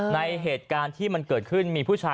ในเหตุการณ์ที่มันเกิดขึ้น